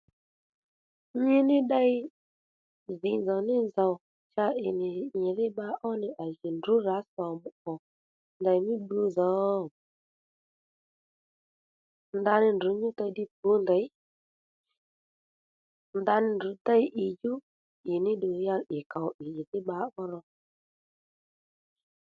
Nyi ní ddey dhì nzòw ní nzòw cha ì nì nyìdhí bba ó nì à jì ndrǔ rǎ sòmù ò ndèymí ddudhǒ ndaní ndrǔ nyútey ddí pǔ ndèy ndaní ndrǔ déy ìdjú ìníddù ya ì kòw ì ìdhí bba ó ro